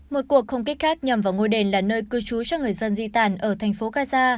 một cuộc không kích khác nhằm vào ngôi đền là nơi cư trú cho người dân di tản ở thành phố gaza